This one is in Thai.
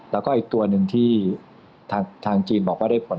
แล้วก็อีกตัวหนึ่งที่ทางจีนบอกว่าได้ผล